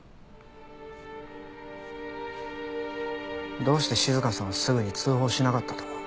どうして静香さんはすぐに通報しなかったと思う？